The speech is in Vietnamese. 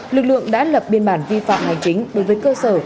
lực lượng đã lập biên bản vi phạm hành chính đối với cơ sở